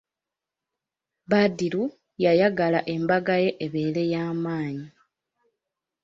Badru yayagala embaga ye ebeere ya maanyi.